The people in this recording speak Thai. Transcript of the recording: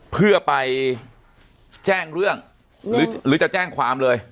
เพื่อไปแจ้งเรื่องหรือจะแจ้งความเลย